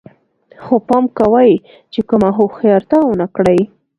خو پام کوئ چې کومه هوښیارتیا ونه کړئ